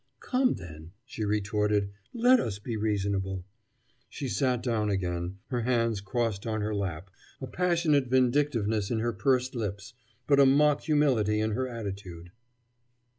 "Come, then," she retorted, "let us be reasonable." She sat down again, her hands crossed on her lap, a passionate vindictiveness in her pursed lips, but a mock humility in her attitude.